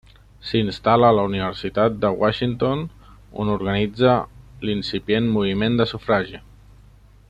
S'instal·la a la Universitat de Washington, on organitza l'incipient moviment de sufragi.